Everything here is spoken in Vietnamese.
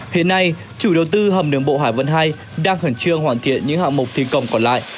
hiện nay chủ đầu tư hầm đường bộ hải vân hai đang khẩn trương hoàn thiện những hạ mục thi công còn lại